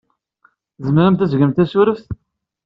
Tzemremt ad tgemt tasureft?